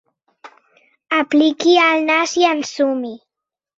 Apliqui el nas i ensumi.